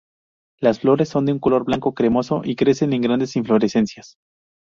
Las flores son de un color blanco cremoso y crecen en grandes inflorescencias.